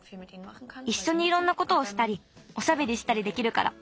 いっしょにいろんなことをしたりおしゃべりしたりできるから。